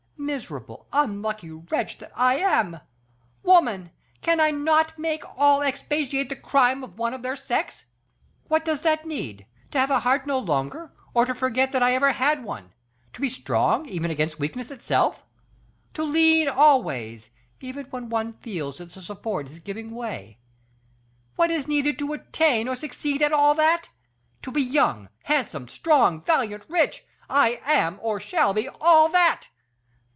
Miserable, unlucky wretch that I am! Women! Can I not make all expiate the crime of one of their sex? What does that need? To have a heart no longer, or to forget that I ever had one; to be strong, even against weakness itself; to lean always, even when one feels that the support is giving way. What is needed to attain, or succeed in all that? To be young, handsome, strong, valiant, rich. I am, or shall be, all that.